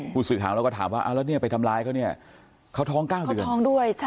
ผู้เสียงหาแล้วก็ถามว่าอ๊ะแล้วในไปทำร้ายเค้าเขาท้องเก้าเดือน